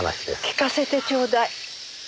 聞かせてちょうだい。